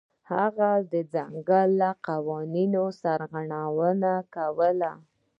هغه د ځنګل له قوانینو سرغړونه نه کوله.